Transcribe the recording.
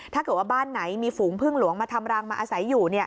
ถ้าเกิดว่าบ้านไหนมีฝูงพึ่งหลวงมาทำรังมาอาศัยอยู่